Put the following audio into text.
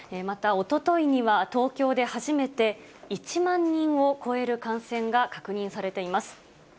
また、おとといには、東京で初めて１万人を超える感染が確認されています。